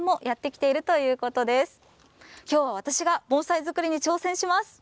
きょうは私が盆栽作りに挑戦します。